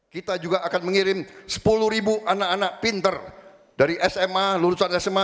kita juga akan mengirim sepuluh ribu anak anak pinter dari sma lulusan sma